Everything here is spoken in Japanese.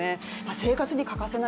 生活に欠かせないと。